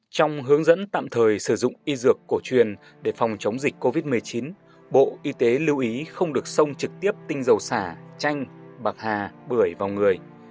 trong hướng dẫn tạm thời sử dụng y dược cổ truyền để phòng chống dịch covid một mươi chín bộ y tế lưu ý không được sông trực tiếp tinh dầu xả chanh bạc hà bưởi vào người